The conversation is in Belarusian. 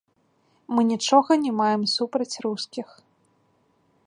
Мы нічога не маем супраць рускіх.